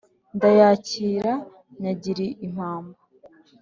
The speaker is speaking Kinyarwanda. Ndayakira nyagira impamba